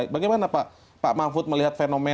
bagaimana pak mahfud melihat fenomena